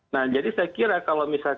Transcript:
nah jadi saya kira kalau misalnya